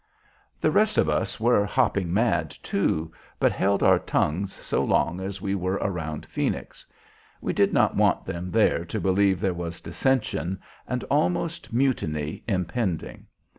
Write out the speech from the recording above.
The rest of us were "hopping mad," too, but held our tongues so long as we were around Phoenix. We did not want them there to believe there was dissension and almost mutiny impending.